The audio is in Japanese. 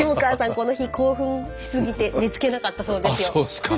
この日興奮しすぎて寝つけなかったそうですよ。